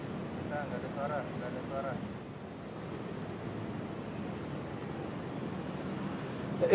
bisa tidak ada suara